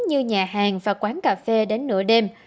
như nhà hàng và quán cà phê đến nửa đêm